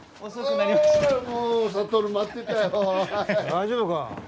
大丈夫か？